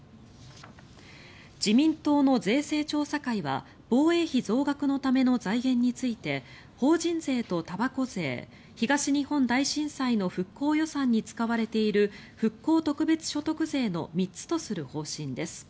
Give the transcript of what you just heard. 自民党の税制調査会は防衛費増額のための財源について法人税とたばこ税東日本大震災の復興予算に使われている復興特別所得税の３つとする方針です。